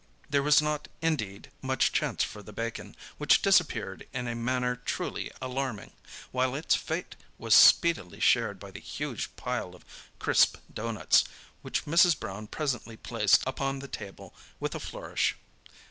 There was not, indeed, much chance for the bacon, which disappeared in a manner truly alarming, while its fate was speedily shared by the huge pile of crisp doughnuts which Mrs. Brown presently placed upon the table with a flourish.